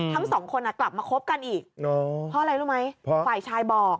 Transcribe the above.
ทั้งสองคนกลับมาคบกันอีกเพราะอะไรรู้ไหมฝ่ายชายบอก